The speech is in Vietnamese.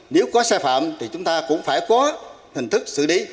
nếu có sai phạm thì chúng ta cũng phải có hình thức xử lý